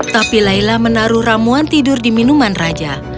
tapi laila menaruh ramuan tidur di minuman raja